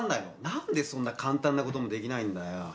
何でそんな簡単なこともできないんだよ？